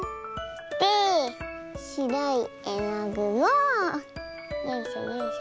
でしろいえのぐをよいしょよいしょ。